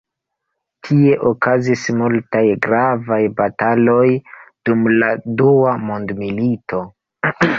Tie okazis multaj gravaj bataloj dum la Dua Mondmilito.